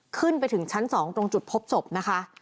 ขึ้นไปถึงชั้น๒ตรงจุดพบศพนะคะ